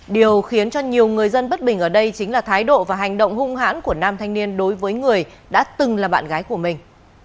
điều khiến cho nhiều người dân bất bình ở đây chính là thái độ và hành động hung hãn của nam thanh niên đối với người đã từng là bạn gái của mình